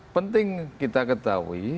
penting kita ketahui